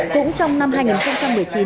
cũng trong năm hai nghìn một mươi chín